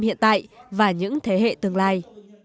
những người hiện tại và những thế hệ tương lai